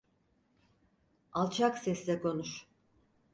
Alçak sesle konuş.